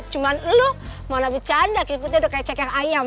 cuma lo mana bercanda keriputnya udah kayak ceker ayam